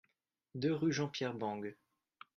deux rue Jean-Pierre Bangue